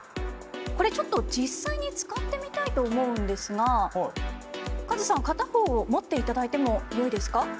これちょっと実際に使ってみたいと思うんですがカズさん片方を持っていただいてもよいですか？